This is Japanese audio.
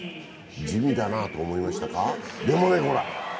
地味だなと思いましたかでもね、ほら！